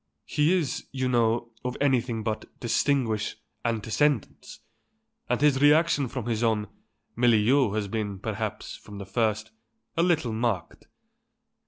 He is, you know, of anything but distinguished antecedents, and his reaction from his own milieu has been, perhaps, from the first, a little marked.